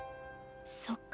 そっか。